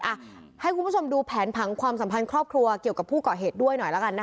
อ่ะให้คุณผู้ชมดูแผนผังความสัมพันธ์ครอบครัวเกี่ยวกับผู้เกาะเหตุด้วยหน่อยแล้วกันนะคะ